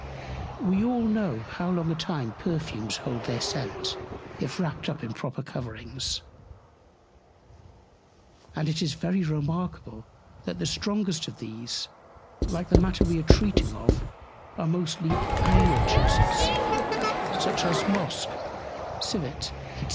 We all know how long a time Perfumes hold their Scent, if wrapt up in proper Coverings: And it is very remarkable, that the strongest of these, like the Matter we are treating of, are mostly Animal Juices, as Mosch, Civet, &c.